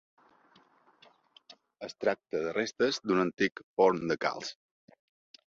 Es tracta de restes d'un antic forn de calç.